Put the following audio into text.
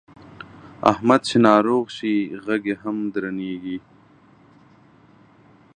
احمد چې ناروغ شي غږ یې هم درنېږي.